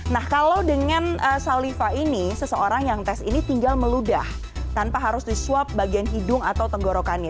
nah kalau dengan saliva ini seseorang yang tes ini tinggal meludah tanpa harus di swab bagian hidung atau tenggorokannya